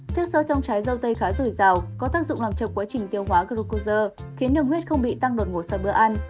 trước sớt trong trái dâu tây khá rủi rào có tác dụng làm chập quá trình tiêu hóa glucosa khiến đường huyết không bị tăng đột ngột sau bữa ăn